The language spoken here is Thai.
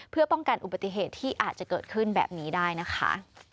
เพื่อป้องกันอุบัติเหตุที่อาจจะเกิดขึ้นแบบนี้ได้นะคะ